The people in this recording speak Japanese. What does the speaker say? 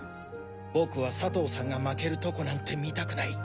僕は佐藤さんが負けるとこなんて見たくない。